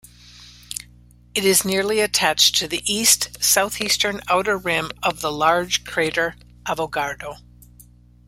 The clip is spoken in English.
It is nearly attached to the east-southeastern outer rim of the larger crater Avogadro.